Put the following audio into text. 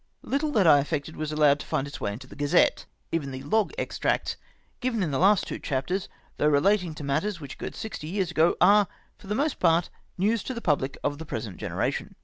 Little that I effected was allowed to find its way mto the Gazette ! Even the log ex tracts given in the two last chapters, though relating to matters which occurred sixty years ago, are, for the most part, news to the public of the present gene ration.